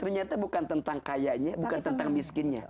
ternyata bukan tentang kayanya bukan tentang miskinnya